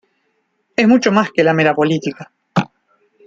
Es mucho más que la mera política.